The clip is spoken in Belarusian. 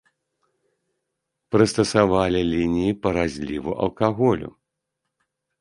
Прыстасавалі лініі па разліву алкаголю.